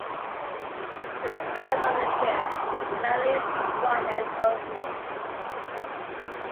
The bulge of the disc is at least as wide as its opening.